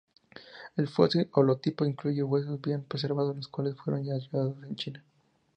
El fósil holotipo incluye huesos bien preservados los cuales fueron hallados en China.